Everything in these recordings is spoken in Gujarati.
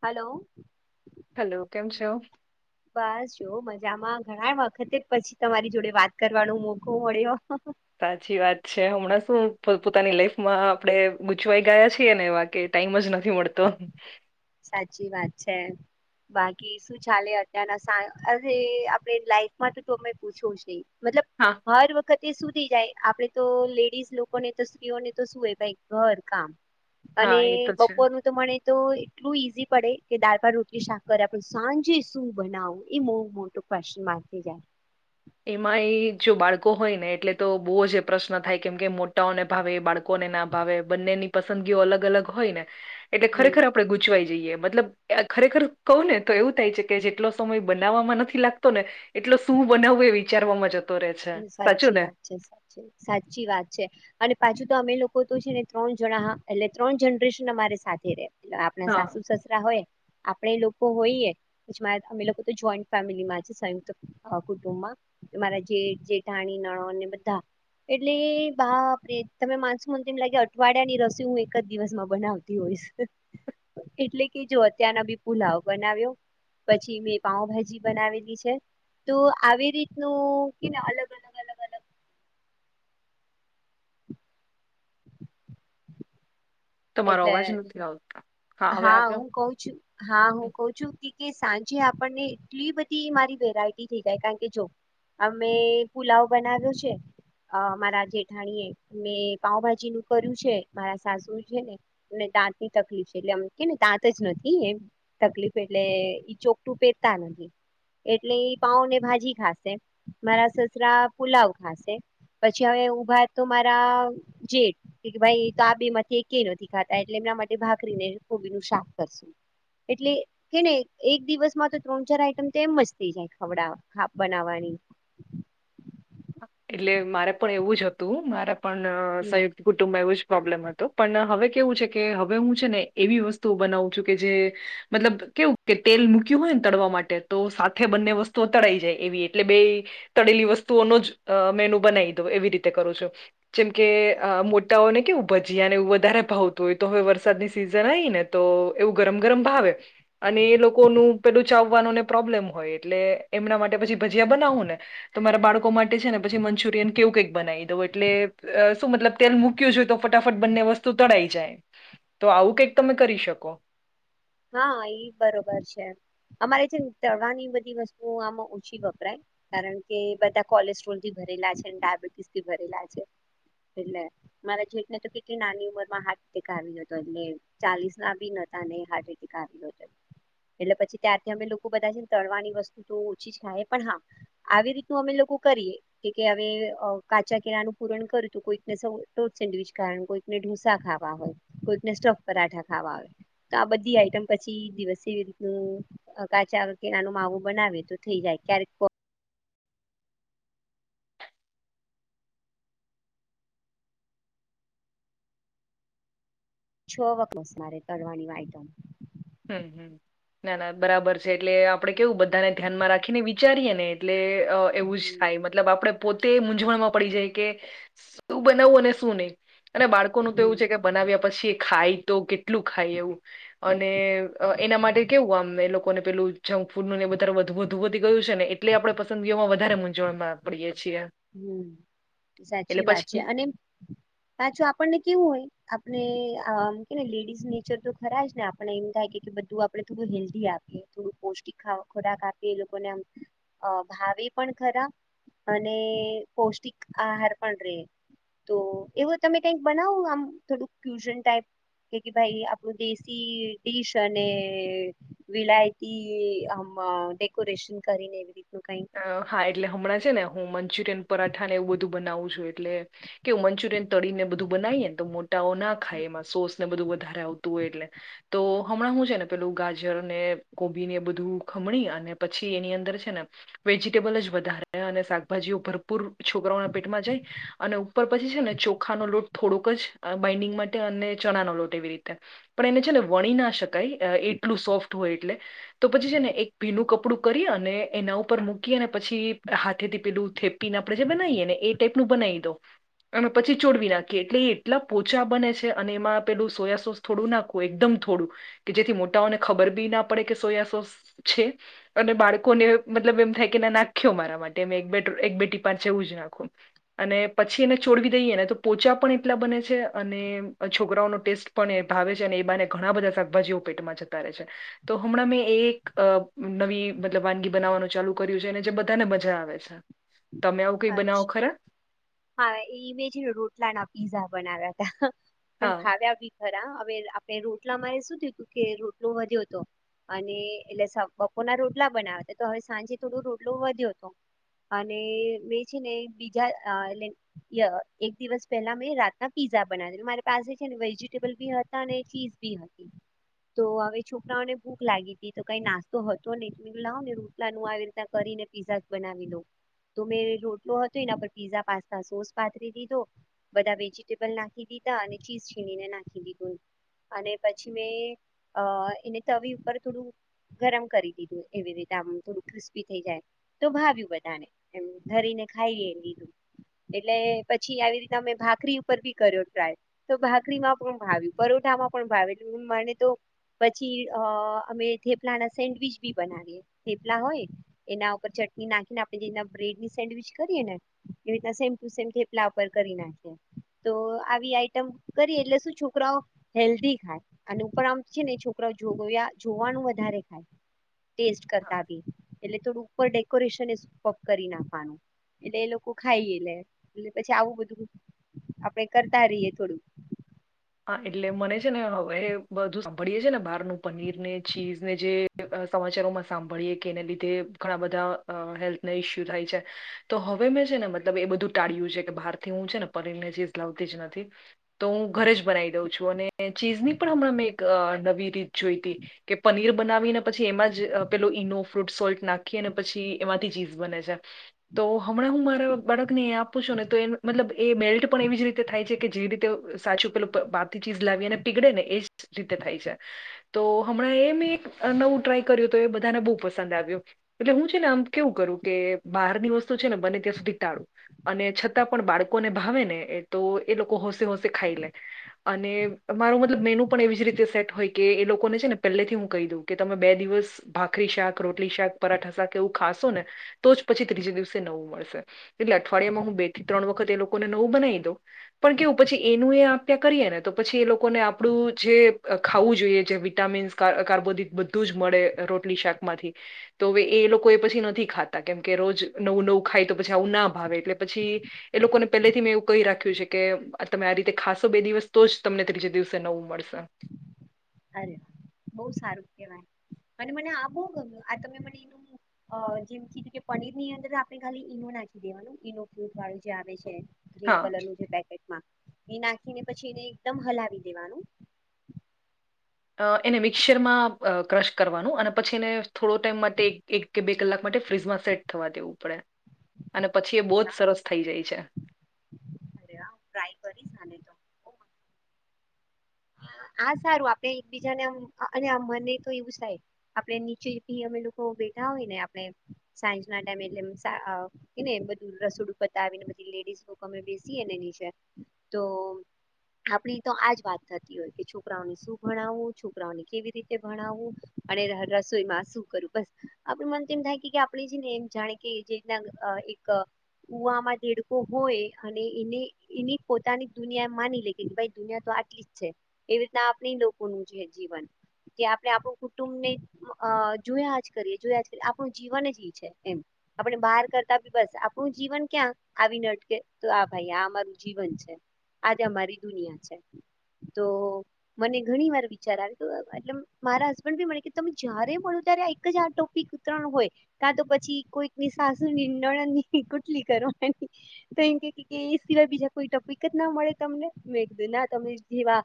હલો. હલો કેમ છો? બસ જો મજામાં ઘણા વખતે પછી તમારી જોડે વાત કરવાનો મોકો મળ્યો. સાચી વાત છે હમણાં શું પોતાની લાઈફમાં આપણે ગૂચવાઈ ગયા છીએ ને એવા કે ટાઈમ જ નથી મળતો. સાચી વાત છે. બાકી શું ચાલે અત્યારના આ આપ લાઈફમાં તો અમે પૂછવુ છે મતલબ હા. હર વખતે સુું થઈ જાય આપડે તો લેડીઝ લોકોને તો સ્ત્રીઓને તો શું હો ભાઈ ઘર કામ હા અને એ તો છે બપોરનું તો મને તો એટલું ઈઝી પડે કે દાળ ભાત રોટલી શાક કરે પણ સાંજે શું બનાવું એ બઉ મોટું પશ્ચિમ આખે જાય. એમાં એ જો બાળકો હોય ને એટલે તો બહુ જ પ્રશ્નોન થાય કેમ કે મોટાઓને ભાવે એ બાળકો લોકોને ના ભાવે બંનેની પસંદગીઓ અલગ અલગ હોય ને એટલે હમ ખરેખર આપણે ગૂચવાઈ જઈએ મતલબ ખરેખર કહું ને તો એવું થાય છે કે જેટલો સમય બનાવવામાં નથી લાગતો ને એટલો શું બનાવવું એ વિચારવાવામાં જ સાચી વાત છે સાચી સાચી વાત છે. અને પાછું તો અમે લોકો તો છે ને ત્રણ જણા એટલે ત્રણ જનરેશન અમારે સાથે રહે એટલે આપડે હા સાસુસ રા હોય આપણે લોકો હોઈએ અમે જોઈન્ટ ફેમિલી માં સયુંકત કુટુંબમાં મારા જેઠ જેઠાણી નણંદ ને બધા એટલે બા આપે તમે માનસો મને એમ લાગે અઠવાડિયા ની રસી હું એક જ દિવસમાં બનાવતી હોઈશ એટલે કે જો અત્યારના બી પુલાવ બનાવ્યો. પછી મેં પાઉભાજી બનાવેલી છે તો આવી રીતનું કે અલગ અ તમારો એટલે અવાજ નથી આવતો હવે હા આવ્યો હું કઉ છું ને હા હું કઉ છું કે સાંજે આપણને એટલી બધી મારી વેરાઈટી થઈ જાય કારણ કે જો આમ મે પુલાવ બનાવ્યો છે. અ મારા જેઠાણીએ મેં પાઉભાજી નું કર્યું છે મારા સાસુ છે અને દાંત ની તકલીફ છે એટલે એમ કેને દાંત જ નથી એમ તકલીફ એટલે ઈ ચોખટું પહેરતા નથી એટલે પાઉ ને ભાજી ખાશે મારા સસરા પુલાવ ખાશે. પછી હવે ઉભા તો મારા જેટ ભાઈ તો આ બે માંથી કે કે નથી ખાતા એટલે એમના માટે ભાખરીને કોબી નું શાક કરશું એટલે કે ને એક દિવસમાં તો ત્રણ ચાર આઈટમ તો એમ જ થઈ જાય ખવડાવવા ની બનાવવાની એટલે મારે પણ એવું જ હતું મારા પણ હમ સંયુક્ત કુટુંબમાં એવો જ પ્રોબ્લેમ હતો પણ હવે કેવું છે કે હવે હું છે ને એવી વસ્તુ બનાવું છું કે જે મતલબ કેવું કે તેલ મૂક્યું હોય ને તળવા માટે તો સાથે બંને વસ્તુઓ તળાઈ જાય એવી એટલે બે તળેલી વસ્તુઓનો જ મેનુ બનાવી દઉં એવી રીતે કરુ છું. જેમ કે મોટા હોય ને કેવું ભજીયાને એું વધારે ભાવતું હોય તો હવે વરસાદની સિઝન આવી ને તો એવું ગરમ ગરમ ભાવે અને એ લોકો ન પેલું ચાવવાનુંને પ્રોબ્લેમ હોય એટલે એમના માટે પછી ભજીયા બનાવો ને તમારા બાળકો માટે પછી મંચુરિયન કેવું કઈક બનાવી દઉ એટલે શું મતલબ તેલ મૂક્યું જો તો ફટાફટ બંને વસ્તુ સુતડાઈ જાય તો આવું કંઈક તમે કરી શકો હા એ બરોબર છે અમારે છે તળવા ની બધી વસ્તુ આમાં ઓછી વપરાય કારણ કે બધા કોલેસ્ટ્રોલ થી ભરેલા છે ડયાબિટીસ થી ભરેલા છે એટલે મારા જેઠને તો કેટલી નાની ઉંમર માં હાર્ટ એટેક આવ્યો હતો એટલે ચાલીસ ના બીનતા ને હાર્ટ એટેક શ કાર જાય એટલે પછી ત્યારથી અમે લોકો બધા છે ને તળવાની વસ્તુ તો ઓછી જ ખાય પણ હા આવી રીતનું અમે લોકો કરીએ કે હવે કાચા કેરાનું પૂરણ કરું હતું કોઈકને ટ સેન્ડચ કાર કોઈક ઢોસા ખાવા હોય કોઈકને સ્ટફ પરાઠા ખાવા હોય તો આ બધી પછી દિવસ એવી રીતનું કાચા કે નાનું માવું બનાવે તો થઈ જાય કાઈક છ વખત મારે કરવાની વાયટમ હમ હમ ના ના બરાબર છે એટલે આપણે કેવું બધાને ધ્યાનમાં રાખીને વિચારીએ ને એટલે એવું જ થાય હમ મતલબ આપડે પોતે મૂંઝવણમાં પડી જાય કે શું બનાવવું અને શું નહી અને બાળકોનું તો એવું હમ છે કે બનાવ્યા પછી ખાય તો કેટલું ખાય એવું અને એના માટે કેવું આમને એ લોકોને પેલું જંક ફૂડ નું ને બધુ હોય ધવતી ગયું છે ને એટલે આપણે પસંદગીઓમાં વધારે મૂંઝવણમાં પડીએે છીએ હમ એટલે સાચી વાત છે પછી અને પાછું આપણને કેવું હોય આપણેમ કેને લેડીઝ નેચર તો ખરા ને આપણે એમ થાય કે બધું આપડે થોડું હેલ્ધી આપીએ થોડું પૌષ્ટિક ખોરાક આપી એ લોકોને ભાવે પણ ખરાબ અને પૌષ્ટિક આહાર પણ રહે તો એવું તમે કઈક બનાવો આમ થોડું ડીયુશન ટાઈપ કે કે ભાઈ આપણું દેશી ડીશ અને વિલાયતી ડેકોરેશન કરીને એવી રીત ન કાઈક હા એટલે હમણાં છે ને હું મંચુરિયન પરાઠા ને એવું બધું બનાવું છું એટલે કેવું મંચુરિયન તળીને બધું બનાવીએ ને તો મોટાઓ ના ખાય એમાં સોસ ને બધું વધારે આવતું હોય એટલે તો હમણાં હું છે ને પેલું ગાજર ને કોબી ને એ બધું ખમણી અને પછી એની અંદર છે ને વેજીિટેબલ જ વધારે અને શાકભાજીઓ ભરપૂર છોકરાઓના પેટમાં જાય અને ઉપ પછી છે ને ચોખાનોો લોટ થોડોક જ બાઈન્ડિંગ માટે અને ચણા નો લોટ એવી રીતે પણ એને છે ને વણી ના શકાય એટલું સોફ્ટ હોય એટલે તો પછી છે ને એક ભીનું કપડું કરી અને એના ઉપર મક મૂકી અને પછી હાથે થી પેલું થેપીને આપણેે જે બનાવીએ ને એ ટાઈપનું બનાવી દો અનેમે પછી ચોડવી નાખીએ એટલે એટલા પોચા બને છે અને એમાં પેલું સોયા સોસ થોડું નાખવું એકદમ થોડું કે જેથી મોટાઓને ખબર બી ના પડે કે સોયા સોસ છે અને બાળકોને મતલબ એમ થાય નાખ્યો મારા માટે એક બેટી પાચ એવું જ નાખું અને પછી એને છોડવી દઈએ ને તો પોચા પણ એટલા બને છે અને છોકરાઓનો ટેસ્ટ પણ એ ભાવે છે અને એ બાને ઘણા બધા શાકભાજીઓ પેટમાં જતા રહે છે. તો હમણાં મેં એક નવી મતલબ વાનગી બનાવવાનું ચાલુ કર્યું છે અને જે બધાને મજા આવે છે તમે આવું કઈ હા, બનાવો ખરા હા એ ઇમેજીન રોટલા ના પીઝા બનાવ્યા ત પણ હા ભાવ્યાી રા હવે આપણે રોટલા મારે શું થયું તું કે રોટલું વધ્યો તો અને એટલે બકો ના રોટલા બનાવે તો હવે સાંજે થોડું રોટલોું વધ્યો હતો અને બે છે ને બીજા એટલે ય એક દિવસ પહેલા મેં રાતના પીઝા બનાવી દું મારી પાસે છે ને વેજીિટેબલ બી હતા ચી તો હવે છોકરાઓને ભૂખ લાગી હતી તો કઈ નાસ્તો હતો ને લાવો ને ર [unintelligible] આવી રીતના કરીને પીઝા જ બનાવી લો મે રોટલો હતો એના પર પીઝા પાસ્તા સોસ પાથરી દીધો બધા વેજીટેબલ નાખી દીધા અને ચીઝ છીણીને નાખી દીધું અને પછી મેં અ એને તવી ઉપર થોડું ગરમ કરી દીધું એવી રીતે આમ થોડું ક્રિસ્પી થઈ જાય તો ભાવ્યું બધાને એમ ધરીને ખાઈ લીધું એટલે પછી આવી રીતે અમે ભાખરી ઉપર બી કર્યો ટ્રાય તો ભાખરીમાં પણ ભાવ્યું પરોઠામાં પણ ભાવ્યું એટ માને તો પછી અ અમે થેપલા ના સેન્ડવીચ બી બનાવીએ થેપલા હોય એના ઉપર ચટણી નાખીને આપે જેના બ્રેડ સેન્ડવીચ કરીે ને એ રીતના સેમ ટુ સેમટલાપર કરી નાખ તો આવી આઈટમ કરી એટલે શું છોકરાઓ હેલ્ધી ખાય અને ઉપર આમ છે ને છોકરા જો જોવાનું વધારે ખાય [inaudible] ટેસ્ટ કરતા ભી એટલે થોડું ઉપર ડેકોરેશનપ કરી નાખ એટલે એ લોકો ખાઈ એટલે એટલે પછી આવું બધું આપડે કરતા રહીયએ થોડુંક હા એટલે મને છે ને હવે બધું સાંભળીે છે ને બહારનું પનીર ને ચીઝ ને જે સમાચારોમાં સાંભળીએ કે એને લીધે ઘણા બધા હેલ્થના ઇસ્યુ થાય છે. તો હવે મેં છે ને મતલબ એ બધું ટાળય્યું છે કે બહારથી હું છે ને પરીર ને ચીઝ લાવતી જ નથી તો હું ઘરે જ બનાવી દઉ છું અને ચીઝ ની પણ હમં એક નવી રીત જોઈતી કે પનીર બનાવીને પછી એમાં જ પેલો ઈનો ફ્રૂટ સોલ્ટ નાખી અનેને પછી એમાંથી ચીઝ બને છે. તો હમણાં હું મારા બાળક ને એ આપું છું ને તો એ મતલબ એ મેલ્ટ પણ એવી જ રીતે થાય છે કે જેવી રીતે સાચું ઉપ બાથી ચીઝ લાવી અને પીગળે ને એજ રીતે થાય છે. તો હમણાં એ મેં એક નવું ટ્રાય કર્યું તો એ બધાને બહુ પસંદ આવ્યું. એટલે હું છે ને આમ કેવું કરું કે બહારની વસ્તુ છે ને બને ત્યાં સુધી ટાળું. અને છતાં પણ બાળકોને ભાવે ને એ તો એ લોકો હોંશે હોંશે ખાઈ લે. અને અરું મતલબ મેનુ પણ એવી જ રીતે સેટ હોય કે એ લોકોને છે ને પહેલેથી હું કહી દઉં કે તમે બે દિવસ ભાખરી શાક રોટલી શાક પરાઠા શાક એવું ખાશો ને તો જ પછી ત્રીજ દિવસે નવું મળશે એટલે અઠવાડિયામાં હું બે થી ત્રણ વખત એ લોકોને નવું બનાવી દઉં પણ કેવું પછી એનું એ કરીએ ને તો પછી એ લોકોને આપણું જે ખાવું જોઈએ જે વિટામીન્સ કાર્બોદિક બું ધું જ મળે રોટલી શાક માંથી તો હવે એ લોકો એ પછી નથી ખાતા કેમ કે રોજ નવું નવું ખાય તો પછી આવું ના ભાવે એટલે પછી એ લોકોને પેલેથી મેં એવું કહી રાખ્યું છે કે તમે આ રીતે ખાસ બે દિવસ તો જ તમને ત્રીજે દિવસે નવું મળશે. અરે વા બહુ સારું કેવાય અને મને આ બહુ ગમ આ તમે મને એનું અ જેમ કીધું કે પનીર ની અંદર આપણે ખાલી ઈનો નાખી દેવાનું ઈનો ફ્રૂટ વાળું જે આવે છે. ક્રીમ હા કલરનું જે પેકેટમાં એ નાખીને પછી એને એકદમ હલાવી દેવાનું. અ એને મિક્સરમાં ક્રશ કરવાનું અને પછી એને થોડો ટાઈમ માટે એક કે બે કલાક માટે ફ્રીજમાં સેટ થવા દેવું પડે અને પછી એ બહુ જ અચ્છા સરસ થઈ જાય છે. અરે હ ફ્રાય કરીલે તો હા સારું આપડે એકબીજા ને અને મને તો એવું થાય. આપણે નીચેી અમે લોકો બેઠા હોય ને આપણે સાંજના ટાઈમે એટલે કેને બધું રસોડ પતા આવીને બધ લેડીઝ અમે બેસીની તો આપણી તો આજ વાત થ હોય કે છોકરાઓને શું ભણાવવું છોકરાઓને કેવી રીતે ભણાવવું અને રસોઈમાં શું કરવું? આપડ મન તો એમ થાય કે આપણે છે ને એમ જાણે કે જે રીતના એક- - કુવામાં દેડકો હોય અને એને- - એની પોતાની દુનિયા એ માની લે કે ભાઈ દુનિયા તો આટલી- - એવી રીતના આપણી લોકોનું છે જીવન કે આપણે આપણું કુટુંબ ને- - અ જોયા જ કરીએ જોયા જ કરીએ આપણું જીવન જ ઈ છે એમ. આપણે બહાર કરતા બી બસ આપણું જીવન ક્યાં- - આવીને અટકે તો આ ભાઈ આ અમારું જીવન છે આજ અમારી દુનિયા છે. તો- - મને ઘણી વાર વિચાર આવ એટ મારા હસબન્ડ ભી મને તમે જયારે મળો ત્યારે એક જ આ ટોપિક- - ત્રણ હોય કાં તો પછી કોઈકની સાસુ ની નળની કુટલી કરવાની- - તો એમ કે એ સિવાય બીજા કોઈ તપક જ ના મળે તમને મે એક ના તમે- - જેવા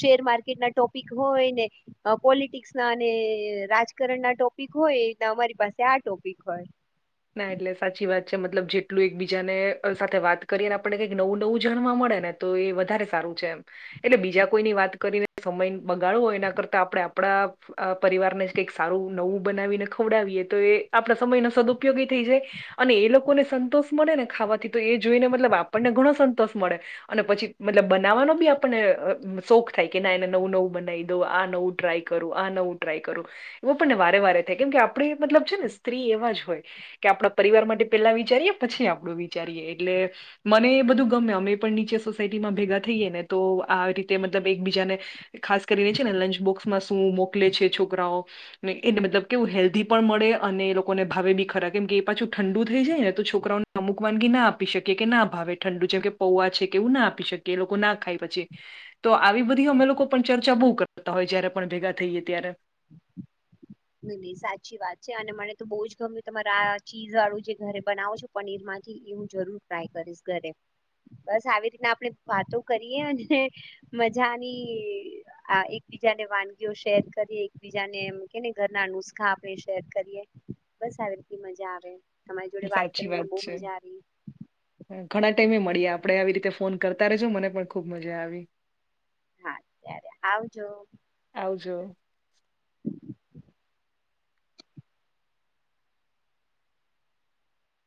શેર માર્કેટ ના ટોપિક હોય ને- - પોલિટિક્સ ના અને રાજકારણ ના ટોપિક હોયને અમારી પાસે આ ટોપિક હોય- - ના એટલે સાચી વાત છે મતલબ જેટલું એક બીજાને સાથે વાત કરીને આપણને કઈક નવું નવું જાણવા મળે ને- - તો એ વધારે સારું છે એમ- - એટલે બીજા કોઈની વાત કરીને સમય બગાડવો હોય એના કરતા આપણે આપણા- - પરિવારને જ કંઈક સારું નવું બનાવીને ખવડાવીએ તો એ આપણા સમયનો સદઉપયોગી થઈ જાય- - અને એ લોકોને સંતોષ મળે ને ખાવાથી તો એ જોઈને મતલબ આપણને ઘણો સંતોષ મળે- - અને પછી મતલબ બનાવવાનો બી આપણને શોખ થાય કે ના એને નવું નવું બનાવી દો આ નવું- - ટ્રાય કરું આ નવું ટ્રાય કરું એવું પણને વારે વારે થાય કેમ કે આપણે મતલબ છે ને સ્ત્રી એવા જ હોય- - કે આપણા પરિવાર માટે પેલા વિચારીએ પછી આપડું વિચારીએ એટલે- - મને એ બધું ગમે અમે પણ નીચે સોસાયટીમાં ભેગા થઈએ ને તો આ રીતે મતલબ એકબીજાને- - ખાસ કરીને છે ને લંચ બોક્સ- - શું મોકલે છે છોકરાઓ એને મતલબ કેવું હેલ્ધી પણ મળે અને એ લોકોને ભાવે બી- - ખરા કેમ કે એ પાછું ઠંડુ થઈ જાય ને તો છોકરાઓને અમુક વાનગી ના આપી શકીકેએ કે ના ભાવે ઠંડુ છેમ કે- - પૌવા છે કેવું ના આપી શકીએ એ લોકો ના ખાય પછી- - તો આવી બધી અમે લોકો પણ ચર્ચા બહુ કરતા હોય જયારે પણ ભેગા થઈએ ત્યારે ન નહી સાચી વાત છે અને મને તો બહુ જ ગમ્યું તમારે આ ચીઝ વાળું જે ઘરે બનાવો છો. પનીર માંથી હું જરૂર ટ્રાય કરીશ ઘરે. બસ આવી રીતના આપણેે વાતો કરીએ અને મજાની એકબીજાને વાનગીઓ શેર કરી એકબીજાને એમ કે ઘરના નુસ્ખા આપણે શેર કરીએ બસ આવી રી મજા આવે તમારી જોડે વાત સાચી કર બહુ છે. મજા રહી. ઘણા ટાઈમે મળી આપડે આવી રીતે ફોન કરતા રશો મને પણ ખુબ મજા આવી. [inaudible] હા ત્યારે આવજો. આવજો. [unintelligible]